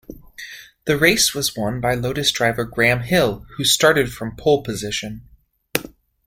The race was won by Lotus driver Graham Hill, who started from pole position.